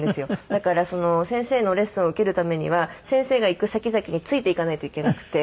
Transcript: だから先生のレッスンを受けるためには先生が行く先々に付いていかないといけなくて。